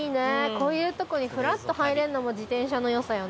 こういうとこにふらっと入れんのも自転車のよさよね。